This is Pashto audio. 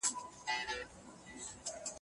نیمایي پیسې به مهاراجا ته سپارل کیږي.